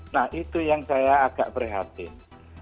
nah itu yang saya agak prihatin